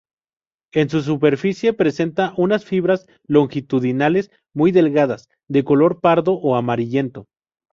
En su superficie presenta unas fibras longitudinales muy delgadas, de color pardo o amarillento.